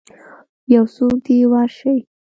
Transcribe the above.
یوڅوک دی ورشئ